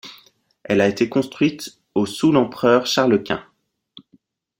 Elle a été construite au sous l'empereur Charles Quint.